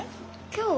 今日？